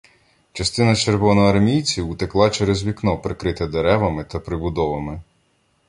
Частина червоноармійців утекла через вікно, прикрите деревами та прибудовами.